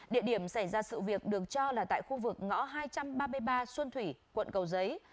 địa điểm xảy ra sự việc được cho là tại khu vực ngõ hai trăm ba mươi ba xuân thủy quận cầu giấy